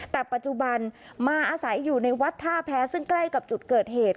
แต่ปัจจุบันมาอาศัยอยู่ในวัดท่าแพ้ซึ่งใกล้กับจุดเกิดเหตุ